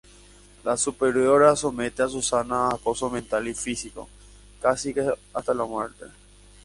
La superiora somete a Susana a acoso mental y físico casi hasta la muerte.